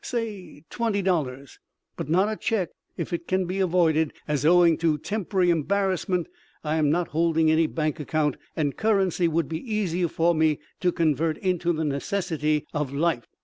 Say twenty dollars, but not a check if it can be avoided as owing to tempry ambarrassment I am not holding any bank account, and currency would be easier for me to convert into the necesity of life.